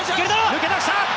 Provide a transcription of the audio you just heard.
抜け出した！